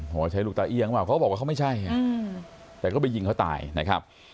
บอกว่าใช้ลูกตาเอี่ยงเปล่าเขาบอกว่าเขาไม่ใช่แต่ก็ไปยิงเขาตายนะครับ